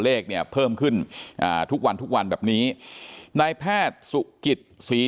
เลขเนี่ยเพิ่มขึ้นอ่าทุกวันทุกวันแบบนี้นายแพทย์สุกิตศรี